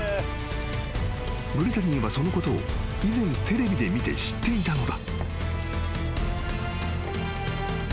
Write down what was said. ［ブリタニーはそのことを以前テレビで見て知っていたのだ］